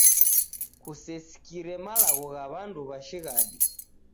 Kusesikire malagho gha w'andu wa shighadi